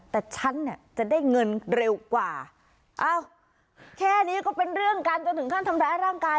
แต่ฉันอ่ะจะได้เงินเร็วกว่าเอ้าแค่นี้ก็เป็นเรื่องการกำหนดถึงขั้นธรรมดารัฐร่างกาย